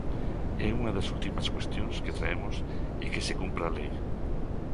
E unha das últimas cuestións que traemos é que se cumpra a lei.